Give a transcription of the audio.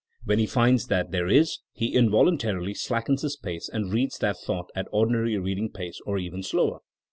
When he finds that there is he involuntarily slackens his pace and reads that thought at ordinary reading pace or even slower.